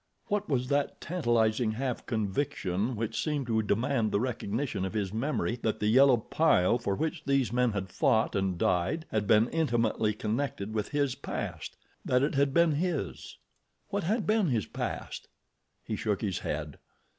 What was that tantalizing half conviction which seemed to demand the recognition of his memory that the yellow pile for which these men had fought and died had been intimately connected with his past—that it had been his? What had been his past? He shook his head.